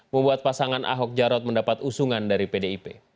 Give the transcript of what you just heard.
membuat pasangan ahok jarot mendapat usungan dari pdip